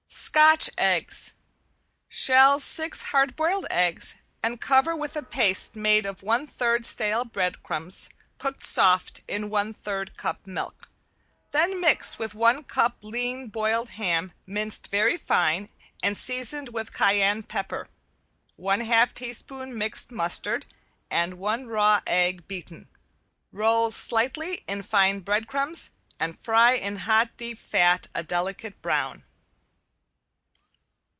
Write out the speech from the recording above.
~SCOTCH EGGS~ Shell six hard boiled eggs and cover with a paste made of one third stale breadcrumbs cooked soft in one third cup milk, then mix with one cup lean boiled ham minced very fine and seasoned with cayenne pepper, one half teaspoon mixed mustard and one raw egg beaten. Roll slightly in fine breadcrumbs and fry in hot deep fat a delicate brown.